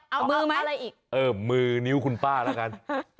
เอามือมาอะไรอีกเออมือนิ้วคุณป้าแล้วกัน